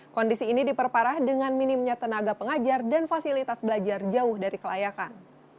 kondisi ini diperparah dengan minimnya tenaga pengajar dan fasilitas belajar jauh dari kelayakan